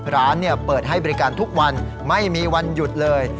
ร้านเปิดให้บริการทุกวันไม่มีวันหยุดเลย